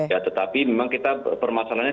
ya tetapi memang kita permasalahannya